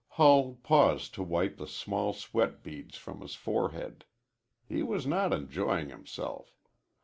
Hull paused to wipe the small sweat beads from his forehead. He was not enjoying himself.